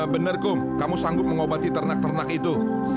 benar kum kamu sanggup mengobati ternak ternak itu